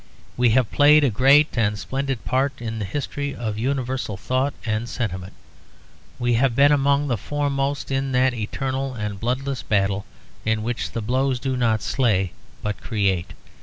We have played a great and splendid part in the history of universal thought and sentiment; we have been among the foremost in that eternal and bloodless battle in which the blows do not slay, but create.